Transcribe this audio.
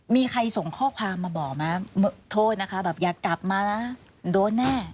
มีใครส่งข้อความมาบอกไหมโทษนะคะแบบอย่ากลับมานะโดนแน่